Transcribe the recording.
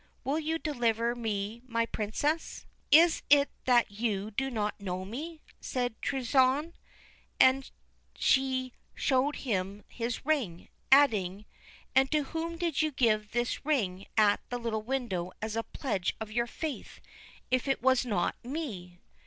Will you deliver me my Princess?' ' Is it that you do not know me ?' said Truitonne ; and she showed him his ring, adding, ' and to whom did you give this ring at the little window as a pledge of your faith, if it was not to me?